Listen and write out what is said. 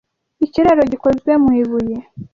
Ikiraro gikozwe mu ibuye.